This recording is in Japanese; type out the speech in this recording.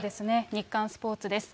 日刊スポーツです。